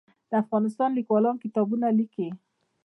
د افغانستان لیکوالان کتابونه لیکي